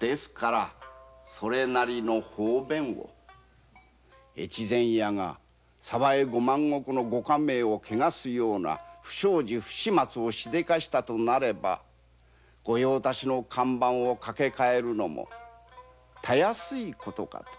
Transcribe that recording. ですからそれなりの方便を越前屋が鯖江藩のご家名を汚すような不祥事不始末をしでかしたとなれば御用達の看板を掛け替えるのもたやすいことかと。